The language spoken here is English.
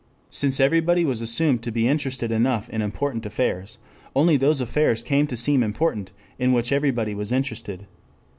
Since everybody was assumed to be interested enough in important affairs, only those affairs came to seem important in which everybody was interested.